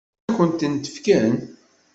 Ad kent-tent-fken?